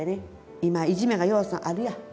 今いじめがようさんあるやん。